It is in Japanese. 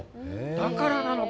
だからなのか。